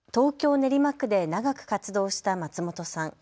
練馬区で長く活動した松本さん。